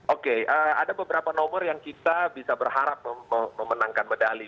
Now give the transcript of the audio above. oke ada beberapa nomor yang kita bisa berharap memenangkan medali